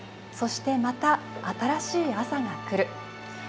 そして、また、新しい朝が来る。